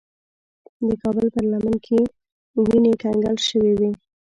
د کابل پر لمن کې وینې کنګل شوې وې.